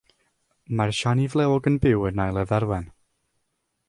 Mae'r siani flewog yn byw yn nail y dderwen.